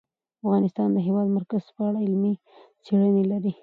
افغانستان د د هېواد مرکز په اړه علمي څېړنې لري.